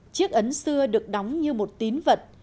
chiếc ấn xưa được đóng như một tín vật